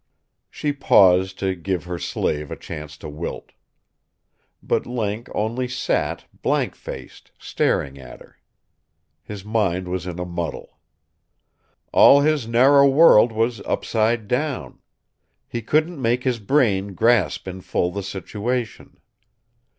She paused to give her slave a chance to wilt. But Link only sat, blank faced, staring at her. His mind was in a muddle. All his narrow world was upside down. He couldn't make his brain grasp in full the situation.